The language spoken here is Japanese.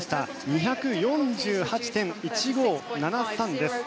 ２４８．１５７３です。